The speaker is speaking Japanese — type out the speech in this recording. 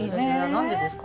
何でですかね。